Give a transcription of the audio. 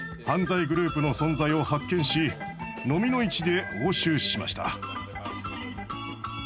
犯罪グループの存在を発見しノミの市で押収しました。